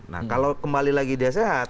nah kalau kembali lagi dia sehat